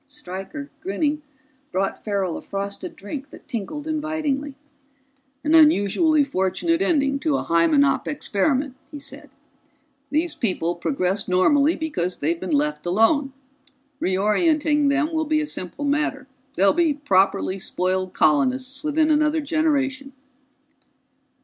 Stryker, grinning, brought Farrell a frosted drink that tinkled invitingly. "An unusually fortunate ending to a Hymenop experiment," he said. "These people progressed normally because they've been let alone. Reorienting them will be a simple matter; they'll be properly spoiled colonists within another generation."